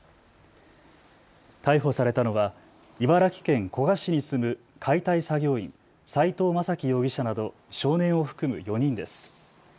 逮捕されたのは茨城県古河市に住む解体作業員、斉藤雅樹容疑者など少年を含む４人です。